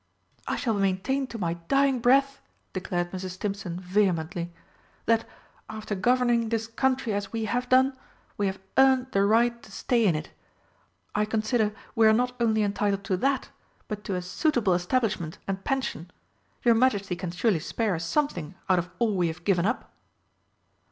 "I shall maintain to my dying breath," declared Mrs. Stimpson vehemently, "that, after governing this Country as we have done, we have earned the right to stay in it. I consider we are not only entitled to that, but to a suitable establishment and pension. Your Majesty can surely spare us something out of all we have given up!"